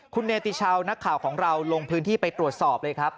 คุณเนติชาวนักข่าวของเราลงพื้นที่ไปตรวจสอบเลยครับ